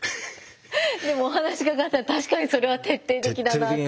でもお話伺ったら確かにそれは徹底的だなって。